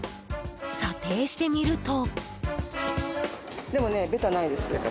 査定してみると。